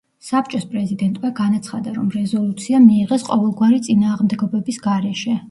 საბჭოს პრეზიდენტმა განაცხადა, რომ რეზოლუცია მიიღეს ყოველგვარი წინააღმდეგობების გარეშე.